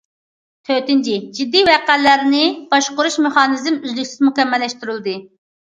تۆتىنچى، جىددىي ۋەقەلەرنى باشقۇرۇش مېخانىزمى ئۈزلۈكسىز مۇكەممەللەشتۈرۈلدى.